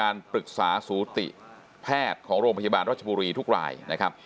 เรื่องเงินช่วยเหลือ